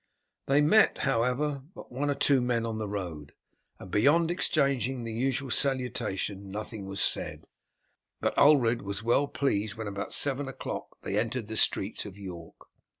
They met, however, but one or two men on the road, and beyond exchanging the usual salutation nothing was said; but Ulred was well pleased when about seven o'clock they entered the streets of York.